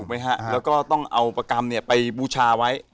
ไหมฮะแล้วก็ต้องเอาประกรรมเนี่ยไปบูชาไว้